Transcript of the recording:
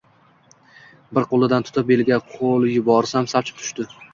Bir qo`lidan tutib, beliga qo`l yuborsam, sapchib tushdi